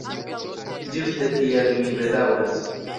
Ĝuste tial mi bedaŭras.